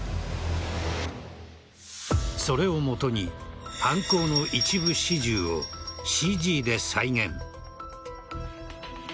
それを基に犯行の一部始終をＣＧで再現。